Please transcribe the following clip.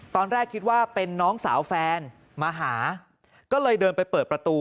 ตอนแรกคิดว่าเป็นน้องสาวแฟนมาหาก็เลยเดินไปเปิดประตู